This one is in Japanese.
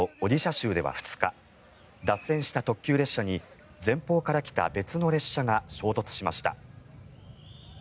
州では２日、脱線した特急列車に前方から来た別の列車が衝突しました。